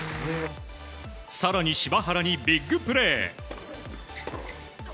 更に、柴原にビッグプレー。